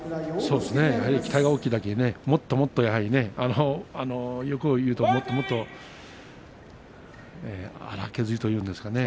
期待が大きいだけにもっともっと、欲を言うともっともっと粗削りというんですかね